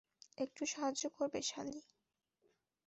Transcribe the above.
একটু সাহায্য করবে, সালি?